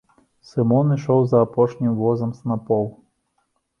Сымон ішоў за апошнім возам снапоў.